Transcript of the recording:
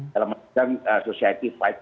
dalam asosiatif lima